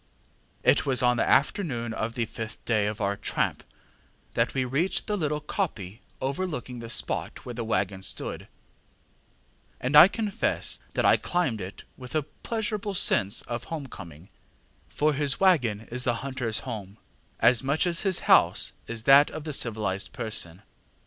ŌĆ£It was on the afternoon of the fifth day of our tramp that we reached the little koppie overlooking the spot where the waggon stood, and I confess that I climbed it with a pleasurable sense of home coming, for his waggon is the hunterŌĆÖs home, as much as his house is that of the civilized person.